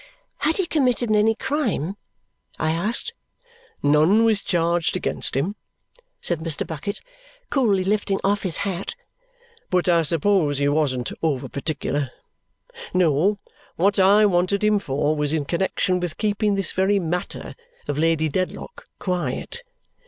"Had he committed any crime?" I asked. "None was charged against him," said Mr. Bucket, coolly lifting off his hat, "but I suppose he wasn't over particular. No. What I wanted him for was in connexion with keeping this very matter of Lady Dedlock quiet.